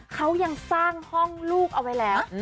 เขายังสร้างห้องลูกเอาไว้แล้ว